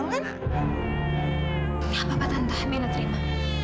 nggak apa apa tante mila terima